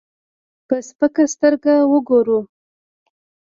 په سپکه سترګه وګورو.